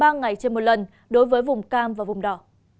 ba ngày trên một lần đối với vùng cam và vùng đỏ